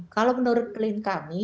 kalau menurut klaim kami